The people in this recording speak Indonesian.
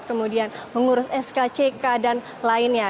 kemudian mengurus skck dan lainnya